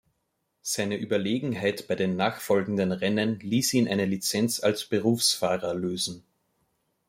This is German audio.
Seine Überlegenheit bei den nachfolgenden Rennen ließ ihn eine Lizenz als Berufsfahrer lösen.